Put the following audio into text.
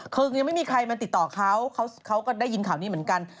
คือยังไม่มีใครมาติดต่อเขาเขาก็ได้ยินข่าวนี้เหมือนกัน